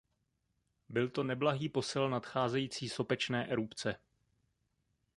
Byl to neblahý posel nadcházející sopečné erupce.